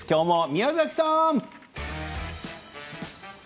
宮崎さん。